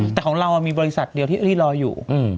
แต่ของเรามีบริษัทเดียวที่รีดรออยู่